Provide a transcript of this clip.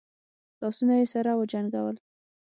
لاسونه يې سره وجنګول.